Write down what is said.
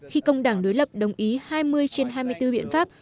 khi công đảng đối lập đồng ý hai mươi trên hai mươi bốn biện pháp